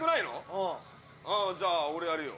うんああじゃあ俺やるよ